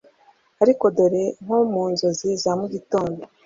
Ariko dore nko mu nzozi za mugitondo